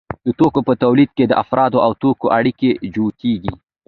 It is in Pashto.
د توکو په تولید کې د افرادو او توکو اړیکې جوتېږي